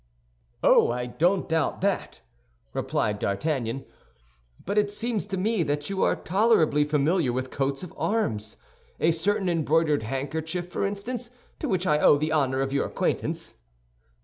"Oh, I don't doubt that," replied D'Artagnan; "but it seems to me that you are tolerably familiar with coats of arms—a certain embroidered handkerchief, for instance, to which I owe the honor of your acquaintance?"